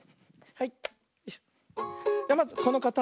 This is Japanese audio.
はい。